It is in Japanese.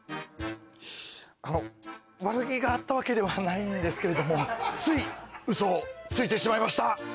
あの悪気があったわけではないんですけれどもついウソをついてしまいました。